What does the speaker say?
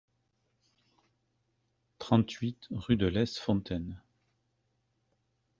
trente-huit rue de Lez-Fontaine